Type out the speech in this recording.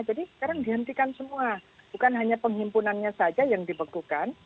jadi sekarang dihentikan semua bukan hanya penghimpunannya saja yang dibekukan